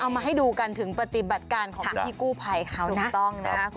อ่าเอามาให้ดูกันถึงปฏิบัติการของพี่พี่กู้ภัยเขานะถูกต้องนะ